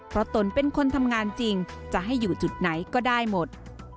เพราะตนเป็นคนทำงานจริงจะให้อยู่จุดไหนก็ได้หมด